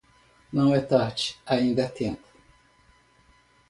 Não é tarde, ainda é tempo